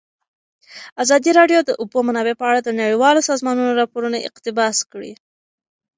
ازادي راډیو د د اوبو منابع په اړه د نړیوالو سازمانونو راپورونه اقتباس کړي.